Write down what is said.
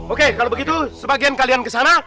oke kalau begitu sebagian kalian kesana